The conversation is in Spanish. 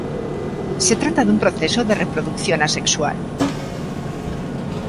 Se trata de un proceso de reproducción asexual.